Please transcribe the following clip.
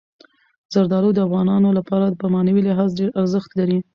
زردالو د افغانانو لپاره په معنوي لحاظ ډېر ارزښت لري.